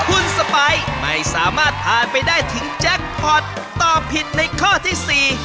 คุณสปายไม่สามารถทานไปได้ถึงแจ็คพอร์ตตอบผิดในข้อที่สี่